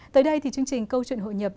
tới đây thì chương trình câu chuyện hội nhập